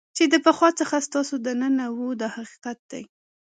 چې د پخوا څخه ستاسو دننه وو دا حقیقت دی.